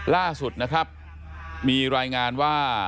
ล่าสุดนะครับมีรายงานว่า